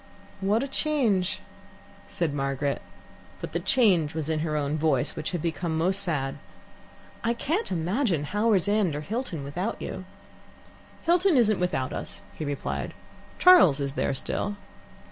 " "What a change!" said Margaret. But the change was in her own voice, which had become most sad. "I can't imagine Howards End or Hilton without you." "Hilton isn't without us," he replied. "Charles is there still."